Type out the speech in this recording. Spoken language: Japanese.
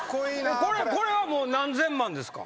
これはもう何千万ですか？